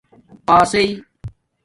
پاسئئ